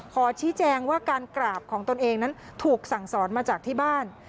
ขอชี้แจงว่าการกราบของตนเองนั้นถูกสั่งสอนมาจากที่บ้าน